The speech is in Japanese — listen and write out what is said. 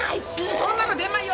そんなのデマよ！